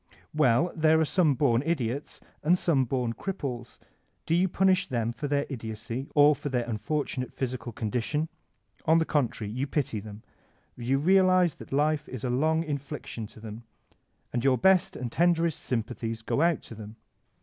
Well, there are some bom idiots and some bom cripples. Do you punish them for their idiocy or for their unfortunate physical condition? On the contrary, you pity them, you realize that life is a long infliction to Uiem, and your best and tenderest sympathies go out to them.